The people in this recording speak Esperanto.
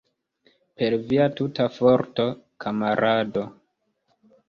Per via tuta forto, kamarado!